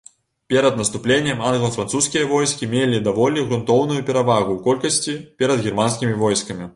Перад наступленнем англа-французскія войскі мелі даволі грунтоўную перавагу ў колькасці перад германскімі войскамі.